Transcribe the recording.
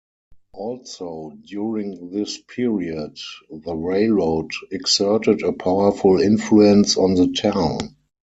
Also during this period, the railroad exerted a powerful influence on the town.